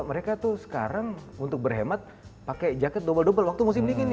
mereka tuh sekarang untuk berhemat pakai jaket dobel dobel waktu musim dingin ya